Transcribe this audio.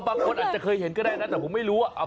บางคนอาจจะเคยเห็นก็ได้นะแต่ผมไม่รู้ว่า